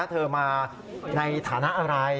เธอมาในฐานะอะไร